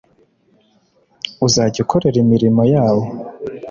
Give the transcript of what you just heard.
uzajya ukorera imirimo yawo